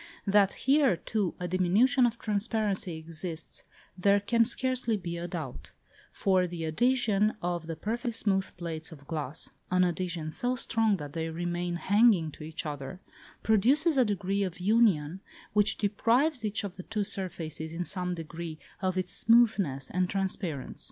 That here, too, a diminution of transparency exists there can scarcely be a doubt; for the adhesion of the perfectly smooth plates of glass (an adhesion so strong that they remain hanging to each other) produces a degree of union which deprives each of the two surfaces, in some degree, of its smoothness and transparence.